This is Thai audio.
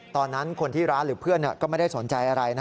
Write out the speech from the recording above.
ตอนนั้นคนที่ร้านหรือเพื่อนก็ไม่ได้สนใจอะไรนะ